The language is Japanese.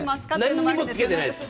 何もつけていないです。